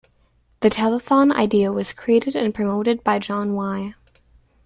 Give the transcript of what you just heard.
The telethon idea was created and promoted by John Y.